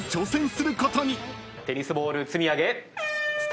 テニスボール積み上げ。